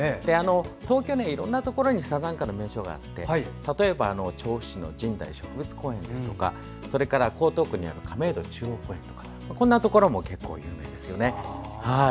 東京、いろんなところにサザンカの名所があって例えば調布市の神代植物公園やそれから江東区にある亀戸中央公園ですとかこんなところも結構有名ですよね。